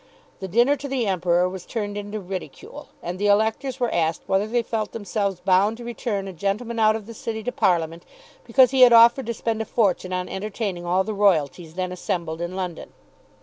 The dinner to the Emperor was turned into ridicule, and the electors were asked whether they felt themselves bound to return a gentleman out of the City to Parliament because he had offered to spend a fortune on entertaining all the royalties then assembled in London.